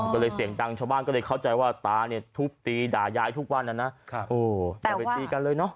ก็เลยเสียงดังชาวบ้านก็เลยเข้าใจว่าตาเนี่ยทุบตีด่าย้ายทุกวันนั้นนะ